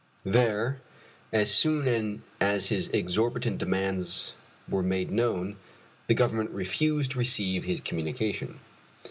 There, as soon as his exorbitant demands were made known, the government refused to receive his communication.